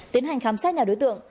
tiến hành khám sát nhà đối tượng